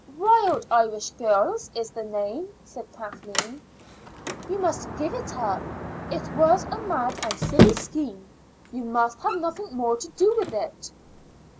"'Wild Irish Girls' is the name," said Kathleen. "You must give it up. It was a mad and silly scheme. You must have nothing more to do with it."